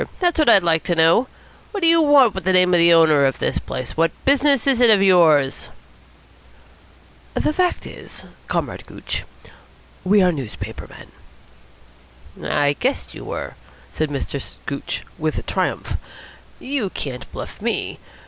That's what I'd like to know. What do you want with the name of the owner of this place? What business is it of yours?" "The fact is, Comrade Gooch, we are newspaper men." "I guessed you were," said Mr. Gooch with triumph. "You can't bluff me.